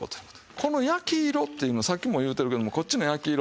この焼き色っていうのはさっきも言うてるけどもこっちの焼き色